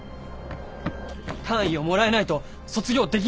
単位をもらえないと卒業できないんです。